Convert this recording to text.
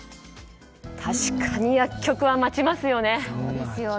確かに、薬局は待ちますよね。